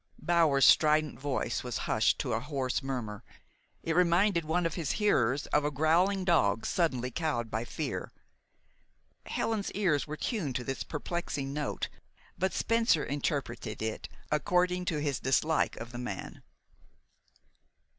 Bower's strident voice was hushed to a hoarse murmur. It reminded one of his hearers of a growling dog suddenly cowed by fear. Helen's ears were tuned to this perplexing note; but Spencer interpreted it according to his dislike of the man.